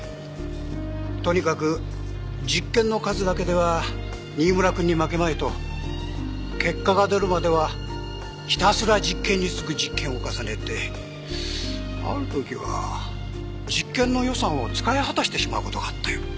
とにかく実験の数だけでは新村君に負けまいと結果が出るまではひたすら実験に次ぐ実験を重ねてある時は実験の予算を使い果たしてしまう事があったよ。